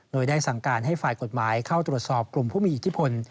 โดยได้สั่งการให้ฝ่ายกฎหมายเข้าตรวจสอบกลุ่มผู้มีอิทธิพล